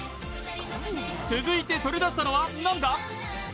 続いて取り出したのは何だ！？